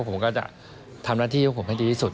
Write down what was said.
ผมก็จะทำหน้าที่ของผมให้ดีที่สุด